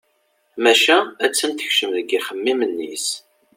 Maca a-tt-an tekcem deg yixemmimen-is.